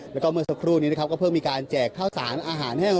แล้วก็เมื่อสักครู่นี้นะครับก็เพิ่งมีการแจกข้าวสารอาหารแห้ง